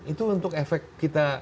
itu untuk efek kita